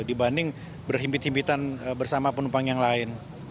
dibanding berhimpit himpitan bersama penumpang yang lain